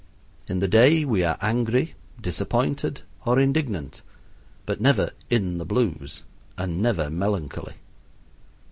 In the day we are angry, disappointed, or indignant, but never "in the blues" and never melancholy.